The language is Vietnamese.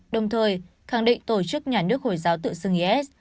đồng thời khẳng định tổ chức nhà nước hồi giáo tự xưng is